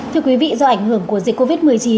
thưa quý vị do ảnh hưởng của dịch covid một mươi chín